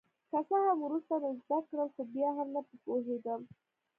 که څه هم وروسته مې زده کړل خو بیا هم نه په پوهېدم.